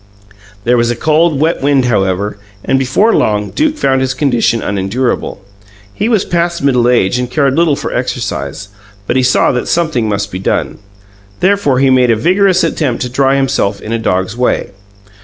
There was a cold, wet wind, however; and before long Duke found his condition unendurable. He was past middle age and cared little for exercise; but he saw that something must be done. Therefore, he made a vigorous attempt to dry himself in a dog's way.